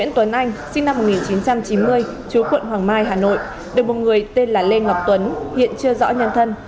nguyễn tuấn anh sinh năm một nghìn chín trăm chín mươi chú quận hoàng mai hà nội được một người tên là lê ngọc tuấn hiện chưa rõ nhân thân